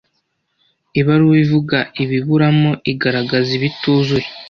Ibaruwa ivuga ibiburamo igaragaza ibituzuye